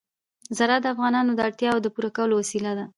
زراعت د افغانانو د اړتیاوو د پوره کولو وسیله ده.